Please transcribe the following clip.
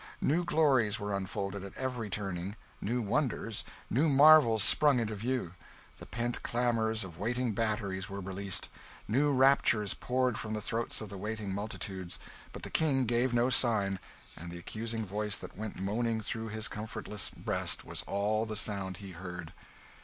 New glories were unfolded at every turning; new wonders, new marvels, sprang into view; the pent clamours of waiting batteries were released; new raptures poured from the throats of the waiting multitudes: but the King gave no sign, and the accusing voice that went moaning through his comfortless breast was all the sound he heard.